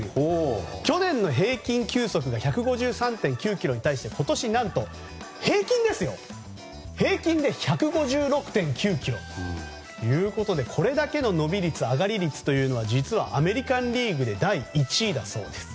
去年の平均球速が１５３．９キロに対して今年は何と平均で１５６．９キロということでこれだけの伸び率、上がり率は実はアメリカンリーグで第１位だそうです。